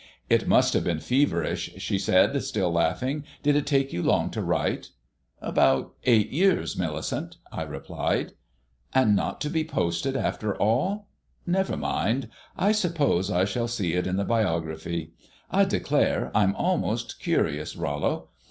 "It must have been ferverish," she said, still laughing. "Did it take you long to write?" "About eight years, Millicent," I replied. "And not to be posted after all? Never mind; I suppose I shall see it in the biography. I declare I'm almost curious, Rollo.